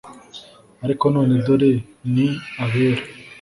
ariko none dore ni abera